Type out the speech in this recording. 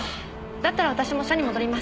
だったら私も社に戻ります。